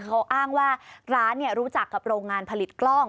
เขาอ้างว่าร้านรู้จักกับโรงงานผลิตกล้อง